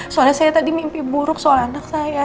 soalnya saya tadi mimpi buruk soal anak saya